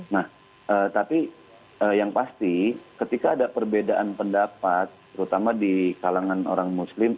nah tapi yang pasti ketika ada perbedaan pendapat terutama di kalangan orang muslim